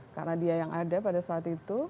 karena dia yang ada pada saat itu